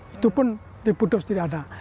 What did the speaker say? itu pun diputus tidak ada